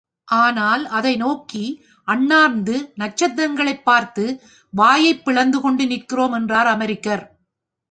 ஆனால், அதை நோக்கி, அண்ணாந்து நட்சத்திரங்களைப் பார்த்து வாயைப் பிளந்து கொண்டு நிற்கிறோம் என்றார் அமெரிக்கர்.